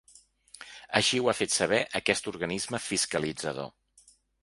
Així ho ha fet saber aquest organisme fiscalitzador.